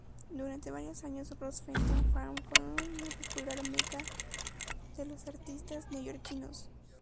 Durante varios años, Ross Fenton Farm fue una popular meca de los artistas neoyorquinos.